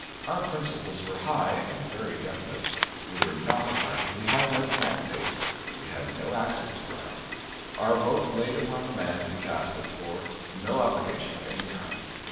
Our principles were high, and very definite. We were not a party; we had no candidates; we had no axes to grind. Our vote laid upon the man we cast it for no obligation of any kind.